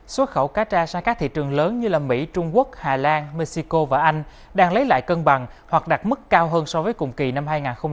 xuất khẩu cá tra sang các thị trường lớn như mỹ trung quốc hà lan mexico và anh đang lấy lại cân bằng hoặc đạt mức cao hơn so với cùng kỳ năm hai nghìn hai mươi ba